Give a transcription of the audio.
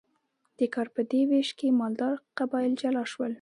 د کار په دې ویش کې مالدار قبایل جلا شول.